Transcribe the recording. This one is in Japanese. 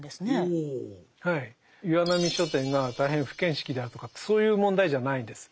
岩波書店が大変不見識であるとかってそういう問題じゃないんです。